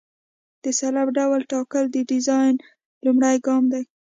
د سلب ډول ټاکل د ډیزاین لومړی ګام دی